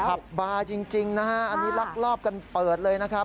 ขับบาร์จริงนะฮะอันนี้ลักลอบกันเปิดเลยนะครับ